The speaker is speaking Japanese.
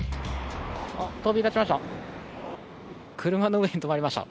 飛び立ちました。